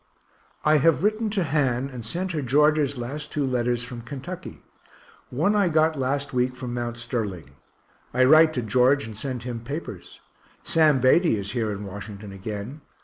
I have written to Han, and sent her George's last two letters from Kentucky; one I got last week from Mount Sterling. I write to George and send him papers. Sam Beatty is here in Washington again.